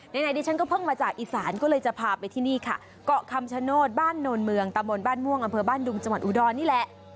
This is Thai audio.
ไหนดิฉันก็เพิ่งมาจากอีสานก็เลยจะพาไปที่นี่ค่ะเกาะคำชโนธบ้านโนนเมืองตะบนบ้านม่วงอำเภอบ้านดุงจังหวัดอุดรนี่แหละ